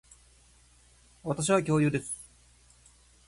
私は恐竜です